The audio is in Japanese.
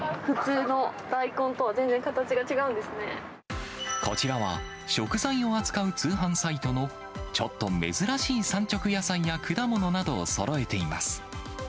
普通の大根とは全然形が違うこちらは、食材を扱う通販サイトのちょっと珍しい産直野菜や果物などをそろえています。